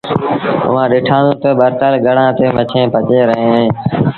اُئآݩٚ ڏٺآندونٚ تا ٻرتل گڙآݩ تي مڇيٚنٚ پچيݩ رهينٚ اهينٚ